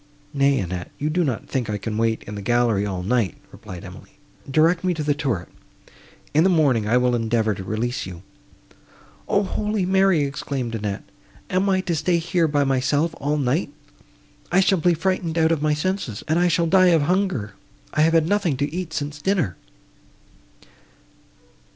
"Nay, Annette, you do not think I can wait in the gallery all night," replied Emily. "Direct me to the turret; in the morning I will endeavour to release you." "O holy Mary!" exclaimed Annette, "am I to stay here by myself all night! I shall be frightened out of my senses, and I shall die of hunger; I have had nothing to eat since dinner!"